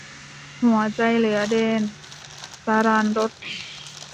หัวใจเหลือเดน - สราญรส